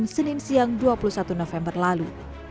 senin siang dua puluh satu november lalu